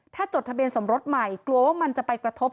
ถ้าจดทะเบียนสมรสใหม่กลัวว่ามันจะไปกระทบ